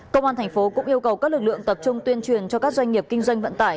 công an thành phố cũng yêu cầu các lực lượng tập trung tuyên truyền cho các doanh nghiệp kinh doanh vận tải